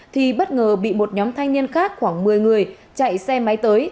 thì bất ngờ bị một nhóm thanh niên khác khoảng một mươi người chạy xe máy tới